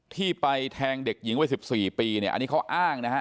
ที่ไปแทงเด็กหญิงวัย๑๔ปีเนี่ยอันนี้เขาอ้างนะฮะ